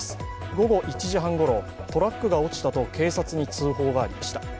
午後１時半ごろ、トラックが落ちたと警察に通報がありました。